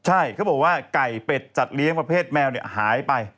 ใช่เขาบอกว่าไก่เป็ดจัดเลี้ยงประเภทแมวหายไป